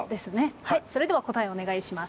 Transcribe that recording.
はいそれでは答えお願いします。